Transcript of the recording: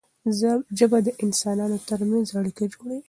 ژبه د انسانانو ترمنځ اړیکه جوړوي.